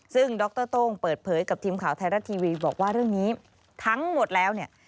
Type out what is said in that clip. ซึ่งดรโต้งเปิดเผยกับทีมข่าวไทยรัฐทีวีบอกว่าเรื่องนี้ทั้งหมดแล้วเนี่ย